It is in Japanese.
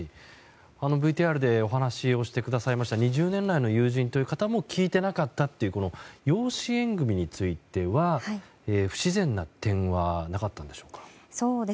ＶＴＲでお話をしてくださいました２０年来の友人という方も聞いていなかったという養子縁組については不自然な点はなかったんでしょうか。